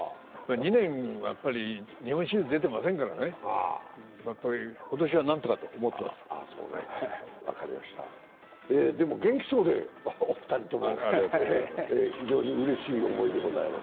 ２年日本シリーズ出てませんからね、今年はなんとかと思ってますでも元気そうで、お二人とも非常にうれしい思いでございます。